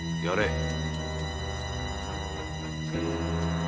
やれ。